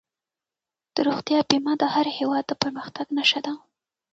د روغتیا بیمه د هر هېواد د پرمختګ نښه ده.